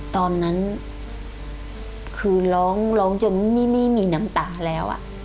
ตอนนั้นคือร้องร้องจนไม่มีน้ำตาแล้ว